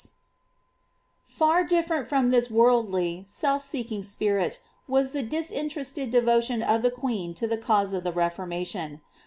*' Far different from this worldly, self seeking spirit was the .'isintemted devotion of the queen to the cause of the Reformation.